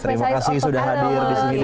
terima kasih sudah hadir di sini